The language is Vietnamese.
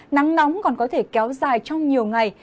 nắng nóng còn có thể kéo dài trong nhiều ngày